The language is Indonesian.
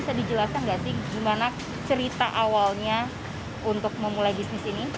bisa dijelaskan nggak sih gimana cerita awalnya untuk memulai bisnis ini